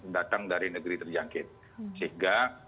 datang dari negeri terjangkit sehingga